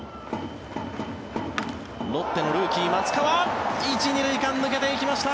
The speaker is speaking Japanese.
ロッテのルーキー、松川１・２塁間、抜けていきました。